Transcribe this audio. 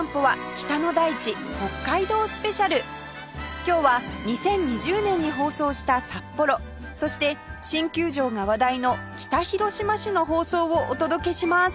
今日は２０２０年に放送した札幌そして新球場が話題の北広島市の放送をお届けします